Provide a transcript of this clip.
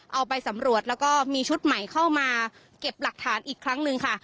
เอาไปสำรวจแล้วก็มีชุดใหม่เข้ามาเก็บหลักฐานอีกครั้งหนึ่งค่ะ